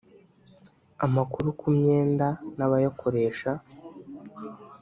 amakuru ku myenda n abayakoresha